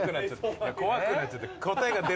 怖くなっちゃって。